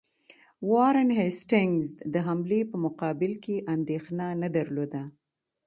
وارن هیسټینګز د حملې په مقابل کې اندېښنه نه درلوده.